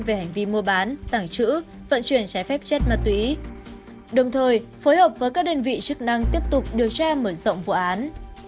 về hành vi mua bán tảng trữ vận chuyển trái phép chất ma túy đồng thời phối hợp với các đơn vị chức năng tiếp tục điều tra mở rộng vụ án